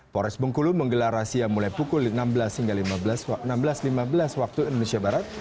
polres bengkulu menggelar razia mulai pukul enam belas hingga lima belas waktu indonesia barat